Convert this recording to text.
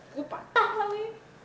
gue patah lagi